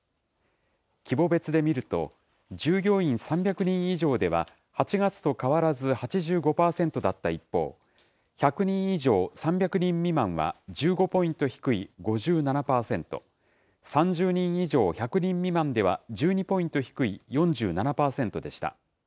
規模別で見ると、従業員３００人以上では、８月と変わらず８５％だった一方、１００人以上３００人未満は１５ポイント低い５７％、３０人以上１００人未満では１２ポイント低い４７％でした。